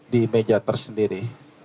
di meja tersendiri